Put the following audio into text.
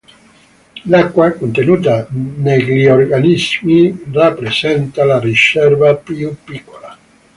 L'acqua contenuta negli organismi rappresenta la riserva più piccola.